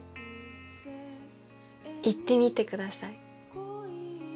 言ってみてください。